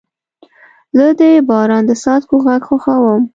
زه د باران د څاڅکو غږ خوښوم.